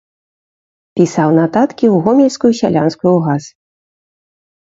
Пісаў нататкі ў гомельскую сялянскую газ.